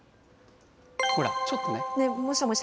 ほら、ちょっとね。